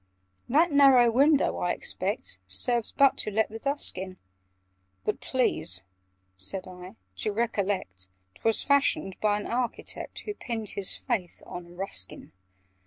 "That narrow window, I expect, Serves but to let the dusk in—" "But please," said I, "to recollect 'Twas fashioned by an architect Who pinned his faith on Ruskin!"